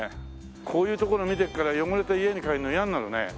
こういう所見てるから汚れた家に帰るの嫌になるね。